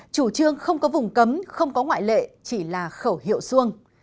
chủ trương không có vùng cấm không có ngoại lệ chỉ là khẩu hiệu xuông